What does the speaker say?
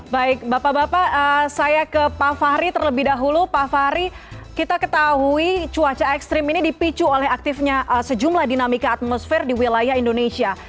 baik bapak bapak saya ke pak fahri terlebih dahulu pak fahri kita ketahui cuaca ekstrim ini dipicu oleh aktifnya sejumlah dinamika atmosfer di wilayah indonesia